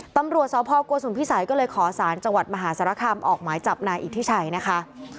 ตำรวจสพโกสุมพิสัยก็เลยขอสารจังหวัดมหาสารคามออกหมายจับนายอิทธิชัยนะคะ